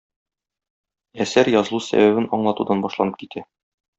Әсәр язылу сәбәбен аңлатудан башланып китә.